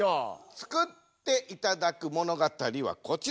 作っていただく物語はこちら。